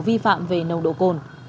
vi phạm về nồng độ cồn